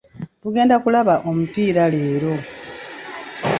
Tugenda kulaba omupiira leero.